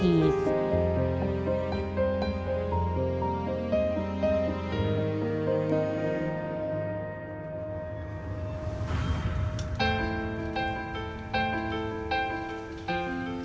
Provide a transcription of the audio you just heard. เมื่อขายทุ่มตำก็มีรายได้อยู่ประมาณวันละ๕๐๐บาท